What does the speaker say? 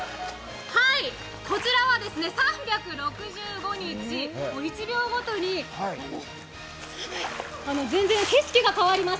こちらは３６５日、１秒ごとに全然、景色が変わります。